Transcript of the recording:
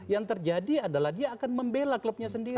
yang terjadi adalah dia akan membela klubnya sendiri